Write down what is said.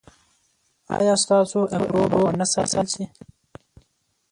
ایا ستاسو ابرو به و نه ساتل شي؟